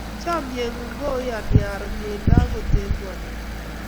Chomye ng'ung' ko yoni aro myeindo angot eng' ng'wonindo